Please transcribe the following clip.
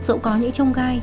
dẫu có những trông gai